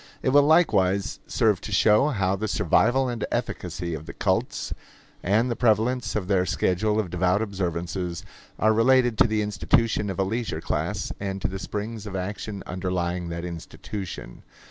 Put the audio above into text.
It will likewise serve to show how the survival and efficacy of the cults and he prevalence of their schedule of devout observances are related to the institution of a leisure class and to the springs of action underlying that institution.